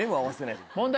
問題